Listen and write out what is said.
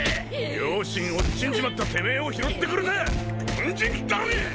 両親おっちんじまったてめえを拾ってくれた恩人だろが！